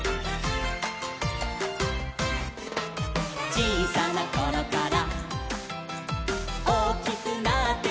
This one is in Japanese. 「ちいさなころからおおきくなっても」